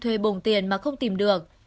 thuê bùng tiền mà không tìm được